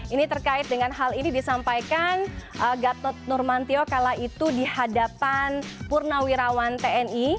ini terkait dengan hal ini disampaikan gatot nurmantio kala itu di hadapan purnawirawan tni